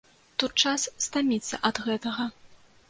Тут час стаміцца ад гэтага.